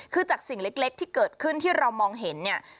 คือจากสิ่งเล็กที่เกิดขึ้นที่เรามองเห็นเนี่ย